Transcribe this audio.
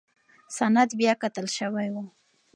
سند بیاکتل شوی و.